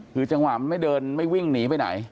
คือจังหวะมันไม่เดินไม่วิ่งหนีไปไหน